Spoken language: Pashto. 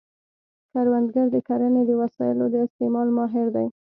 کروندګر د کرنې د وسایلو د استعمال ماهر دی